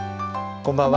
こんばんは。